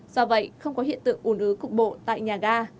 do vậy không có hiện tượng ủn ứ cục bộ tại nhà ga